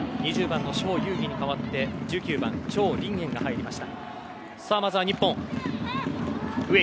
２０番のショウ・ユウギに代わって１９番、チョウ・リンエンが入りました。